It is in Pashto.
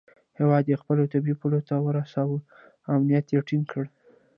هیواد یې خپلو طبیعي پولو ته ورساوه او امنیت یې ټینګ کړ.